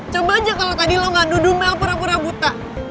coba aja kalo tadi lo gak duduk mel pura pura buta